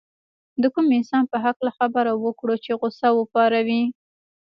د کوم انسان په هکله خبره وکړو چې غوسه وپاروي.